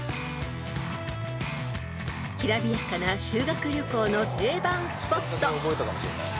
［きらびやかな修学旅行の定番スポット］